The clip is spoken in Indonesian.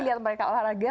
lihat mereka olahraga